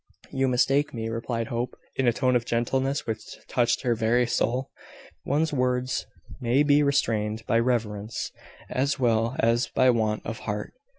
"You mistake me," replied Hope, in a tone of gentleness which touched her very soul. "One's words may be restrained by reverence as well as by want of heart.